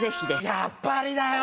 やっぱりだよ。